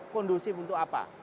kondusif untuk apa